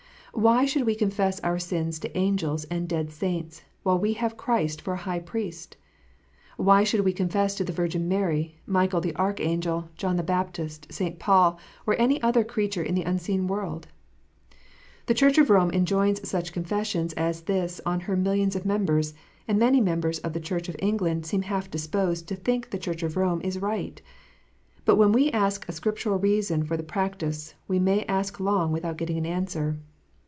Why should we confess our sins to angels and dead saints, while we have Christ for a High Priest 1 Why should we confess to the Virgin Mary, Michael the Archangel, John the Baptist, St. Paul, or any other creature in the unseen world ? The Church of Rome enjoins such confession as this on her millions of members, and many members of the Church of England seem half disposed to think the Church of Rome is right ! But when we ask a Scriptural reason for the practice, we may ask long without getting an answer.